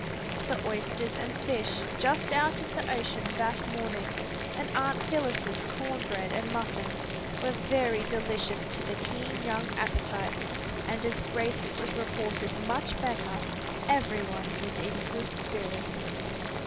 The oysters and fish, just out of the ocean that morning, and Aunt Phillis's corn bread and muffins were very delicious to the keen young appetites, and as Gracie was reported much better, every one was in good spirits.